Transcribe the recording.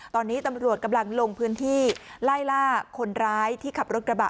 ตอนนี้ตำรวจกำลังลงพื้นที่ไล่ล่าคนร้ายที่ขับรถกระบะ